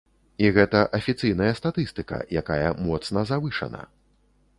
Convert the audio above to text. І гэта афіцыйная статыстыка, якая моцна завышана.